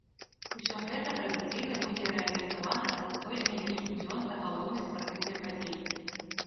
Усё гэта традыцыйна будзе рэалізавана за сто з невялікім дзён да галоўнай спартыўнай падзеі.